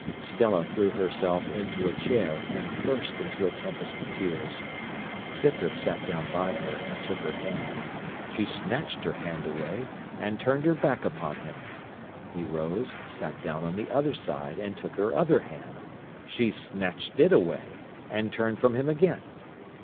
Stella threw herself into a chair, and burst into a tempest of tears. Scythrop sat down by her, and took her hand. She snatched her hand away, and turned her back upon him. He rose, sat down on the other side, and took her other hand. She snatched it away, and turned from him again.